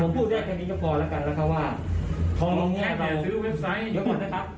ผมพูดแค่นี้ก็พอแล้วกันแล้วครับว่าทองตรงเนี่ยเราเดี๋ยวก่อนนะครับ